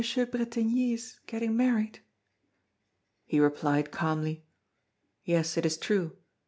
Bretigny is getting married?" He replied calmly: "Yes, it is true.